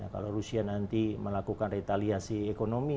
kalau rusia nanti melakukan retaliasi ekonomi